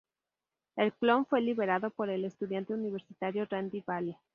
El clon fue liberado por el estudiante universitario Randy Vale.